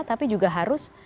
tapi juga harus